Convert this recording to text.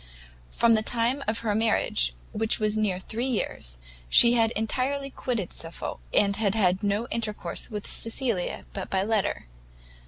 From the time of her marriage, which was near three years, she had entirely quitted Suffolk, and had had no intercourse with Cecilia but by letter.